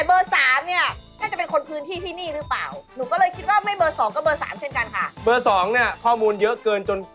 เบอร์๒เนี่ยข้อมูลเยอะเกินจน